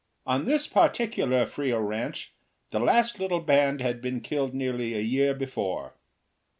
On this particular Frio ranch the last little band had been killed nearly a year before.